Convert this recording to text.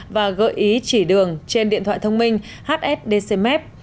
và gợi ý chỉ đường trên điện thoại thông minh hsdcmep